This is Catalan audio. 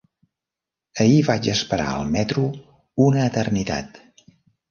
Ahir vaig esperar el metro una eternitat.